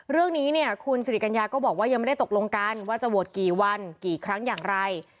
เรื่องนี้เนี่ยคุณสิริกัญญาก็บอกว่ายังไม่ได้ตกลงกันว่าจะโหวตกี่วันกี่ครั้งอย่างไร